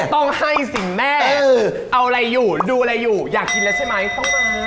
ต้องให้สิ่งแม่เอาอะไรอยู่ดูอะไรอยู่อยากกินแล้วใช่ไหมต้องมา